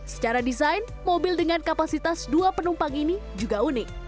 secara desain mobil dengan kapasitas dua penumpang ini juga unik